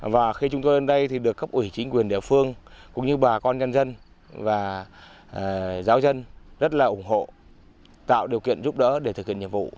và khi chúng tôi đến đây thì được cấp ủy chính quyền địa phương cũng như bà con nhân dân và giáo dân rất là ủng hộ tạo điều kiện giúp đỡ để thực hiện nhiệm vụ